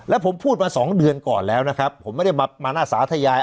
แล้วผมพูดมาสองเดือนก่อนแล้วนะครับผมไม่ได้มาหน้าสาธยาย